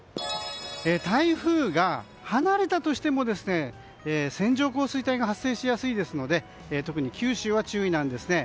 台風が離れたとしても線状降水帯が発生しやすいですので特に九州は注意なんですね。